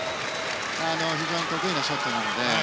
非常に得意なショットなので。